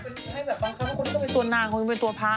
เขาอยากให้แบบบังคับว่าคนนี้ต้องเป็นตัวนาง